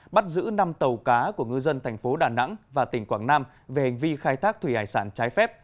bắt giữ năm tàu cá của ngư dân thành phố đà nẵng và tỉnh quảng nam về hành vi khai thác thủy hải sản trái phép